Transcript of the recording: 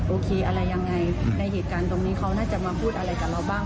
โอเคอะไรยังไงในเหตุการณ์ตรงนี้เขาน่าจะมาพูดอะไรกับเราบ้าง